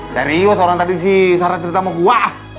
serius orang tadi sih saran cerita sama gua